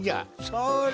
それ！